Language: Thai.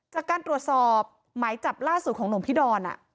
จากการตรวจสอบหมายจับล่าสุดของหลวงพี่ดอน